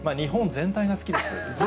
全体が好きです。